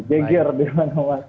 jager berman omata